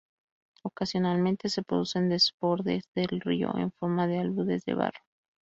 Ocasionalmente se producen desbordes del río, en forma de aludes de barro.